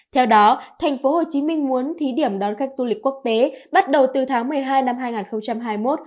theo đó thành phố hồ chí minh muốn thí điểm đón khách du lịch quốc tế bắt đầu từ tháng một mươi hai năm hai nghìn hai mươi một